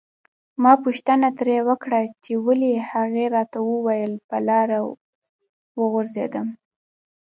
ما پوښتنه ترې وکړه چې ولې هغې راته وویل په لاره وغورځیدم.